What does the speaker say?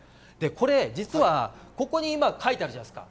実はここに書いてあるじゃないですか。